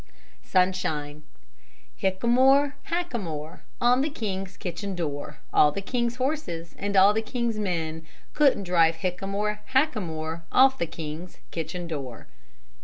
SUNSHINE Hick a more, Hack a more, On the King's kitchen door, All the King's horses, And all the King's men, Couldn't drive Hick a more, Hack a more, Off the King's kitchen door.